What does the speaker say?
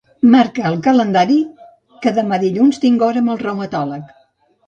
Marca al calendari que demà dilluns tinc hora amb el reumatòleg.